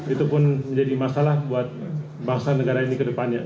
itu pun menjadi masalah buat bangsa negara ini ke depannya